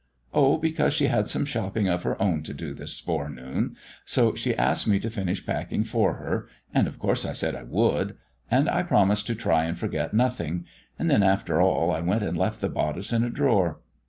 "Oh, because she had some shopping of her own to do this forenoon, so she asked me to finish packing for her, and of course I said I would; and I promised to try and forget nothing; and then, after all, I went and left the bodice in a drawer.